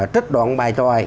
trích đoạn bài tròi